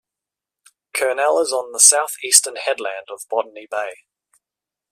Kurnell is on the south eastern headland of Botany Bay.